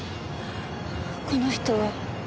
この人は？